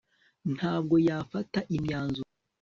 ntabwo yafata imyanzuro